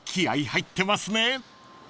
合入ってますね］